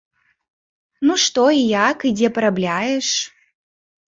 Ну што, і як, і дзе парабляеш?